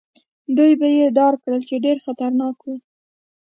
دوی به يې ډار کړل، چې ډېر خطرناک وو.